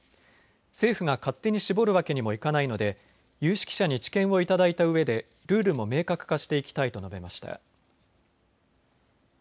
政府が勝手に絞るわけにもいかないので有識者に知見をいただいたうえでルールも明確化していきたいと述べました。